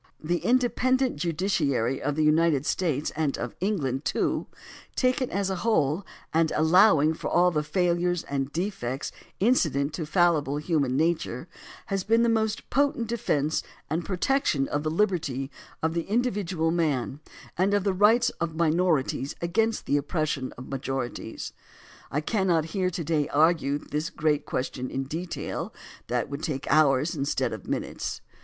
The independent ju diciary of the United States, and of England, too, taken as a whole and allowing for all the failures and defects 116 THE CONSTITUTION AND incident to fallible human nature, has been the most potent defence and protection of the liberty of the in dividual man and of the rights of minorities against the oppression of majorities. I cannot here to day argue this great question in detail; that would take hours instead of minutes.